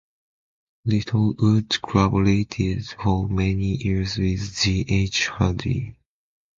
Littlewood collaborated for many years with G. H. Hardy.